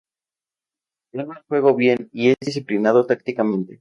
Él ve el juego bien y es disciplinado tácticamente.